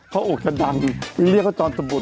เขาอุกกันดันเรียกเขาจอนสบโต้